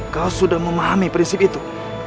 kau sudah memahami prinsip itu